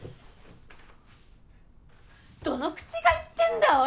どの口が言ってんだ！